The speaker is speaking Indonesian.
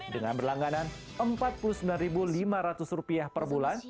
dengan berlangganan rp empat puluh sembilan lima ratus per bulan